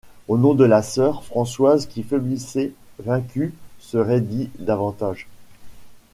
Au nom de sa sœur, Françoise qui faiblissait, vaincue, se raidit davantage.